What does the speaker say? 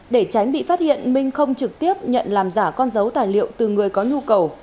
để tránh bị phát hiện minh không trực tiếp nhận làm giả con dấu tài liệu từ người có nhu cầu